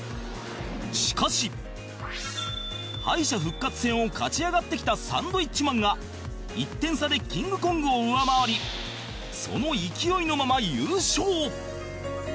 しかし敗者復活戦を勝ち上がってきたサンドウィッチマンが１点差でキングコングを上回りその勢いのまま優勝